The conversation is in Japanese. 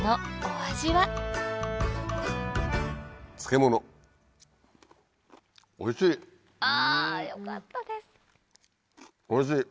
おいしい。